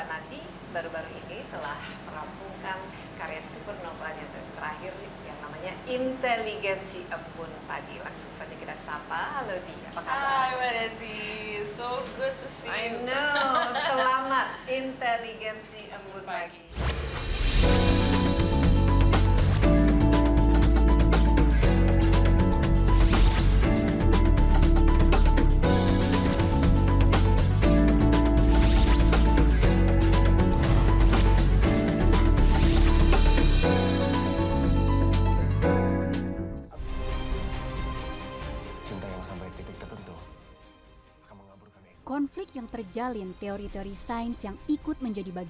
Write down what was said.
mbak nathie baru baru ini telah merampungkan karya supernova yang terakhir yang namanya inteligensi embun pagi